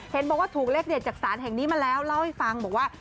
เห็นบอกว่าถูกเลขเด็ดจากศาลแห่งนี้มาแล้วเล่าให้ฟังบอกว่า